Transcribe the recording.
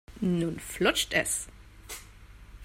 Nun flutscht es.